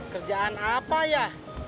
kerjaan apa ya